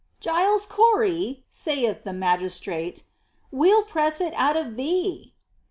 "Giles Corey," saith the Magistrate, "We'll press it out of thee."